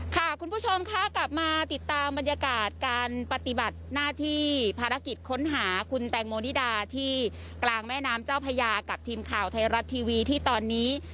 ค่ะคุณผู้ชมค่ะกลับมาติดตามบรรยากาศการปฏิบัติหน้าที่ภารกิจค้นหาคุณแตงโมนิดาที่กลางแม่น้ำเจ้าพญากับทีมข่าวไทยรัฐทีวีที่ตอนนี้